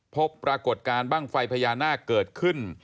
ปรากฏการณ์บ้างไฟพญานาคเกิดขึ้น